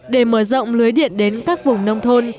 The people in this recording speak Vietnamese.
để mở rộng lưới điện đến các vùng nông thôn